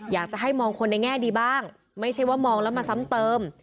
อยากจะให้มองคนในแง่ดีบ้างไม่ใช่ว่ามองแล้วมาซ้ำเติม